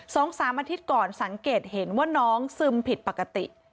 สองสามอาทิตย์ก่อนสังเกตเห็นว่าน้องซึมผิดปกติ